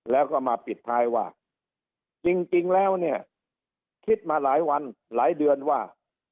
แล้วก็มาปิดท้ายว่าจริงแล้วเนี่ยคิดมาหลายวันหลายเดือนว่า